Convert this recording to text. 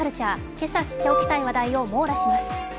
今朝知っておきたい話題を網羅します。